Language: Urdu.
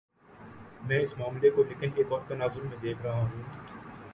میں اس معاملے کو لیکن ایک اور تناظر میں دیکھ رہا ہوں۔